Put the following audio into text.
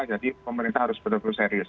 jadi pemerintah harus betul betul serius